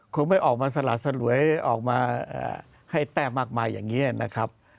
คงไม่ออกมาสลัดสลวยออกมาอ่าให้แต้มากมายังเงี้ยนะครับ